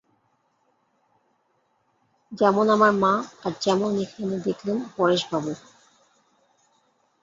যেমন আমার মা– আর যেমন এখানে দেখলেন পরেশবাবু।